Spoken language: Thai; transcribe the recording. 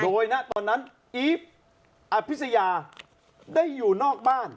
โดยณตอนนั้นอีฟอภิษยาได้อยู่นอกบ้าน